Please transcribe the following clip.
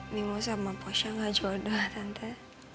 ini mosya sama posya gak jodoh tante